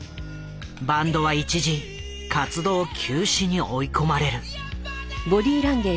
バンドは一時活動休止に追い込まれる。